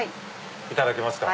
いただけますか。